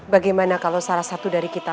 bagaimana kalau salah satu dari kita